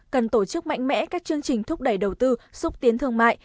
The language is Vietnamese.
cần tổ chức mạnh mẽ các chương trình thúc đẩy đầu tư xúc tiến thương mại